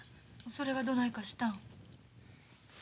それがどないかしたん？